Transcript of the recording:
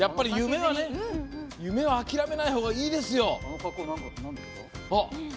夢はね諦めない方がいいですよ。